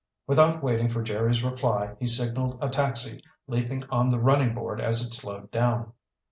Without waiting for Jerry's reply, he signaled a taxi, leaping on the running board as it slowed down.